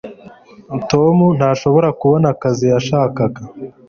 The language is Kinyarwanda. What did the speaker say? tom ntashobora kubona akazi yashakaga